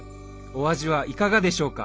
お味はいかがでしょうか？